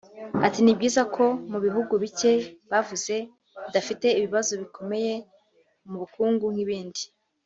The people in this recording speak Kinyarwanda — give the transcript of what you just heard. Ati "Ni byiza ko mu bihugu bike bavuze bidafite ibibazo bikomeye mu bukungu nk’ibindi